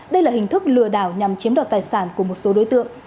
đây là hình thức lừa đảo nhằm chiếm đoạt tài sản của một số đối tượng